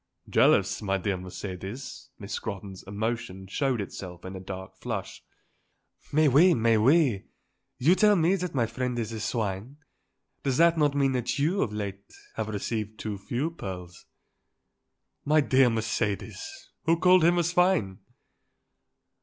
"Jealous, my dear Mercedes?" Miss Scrotton's emotion showed itself in a dark flush. "Mais oui; mais oui; you tell me that my friend is a swine. Does that not mean that you, of late, have received too few pearls?" "My dear Mercedes! Who called him a swine?"